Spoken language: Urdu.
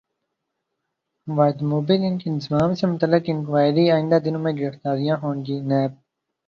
واردموبی لنک انضمام سے متعلق انکوائری ئندہ دنوں میں گرفتاریاں ہوں گی نیب